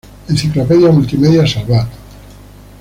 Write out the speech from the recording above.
Enciclopedia multimedia Salvat.